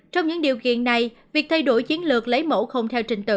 trong những điều kiện này việc thay đổi chiến lược lấy mẫu không theo trình tự